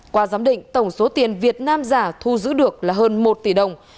qua giám định tổng số tiền việt nam giả thu giữ được là hơn một tỷ đồng